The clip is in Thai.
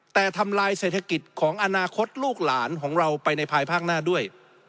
แต่ทำลายเศรษฐกิจของอนาคตลูกหลานของเราไปในภายภาคหน้าด้วย